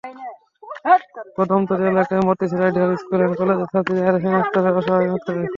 কদমতলী এলাকায় Motijheel Ideal School and কলেজের ছাত্রী আরেফিন আক্তারের অস্বাভাবিক মৃত্যু হয়েছে।